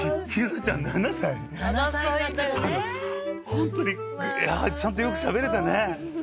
ホントにちゃんとよくしゃべれたね。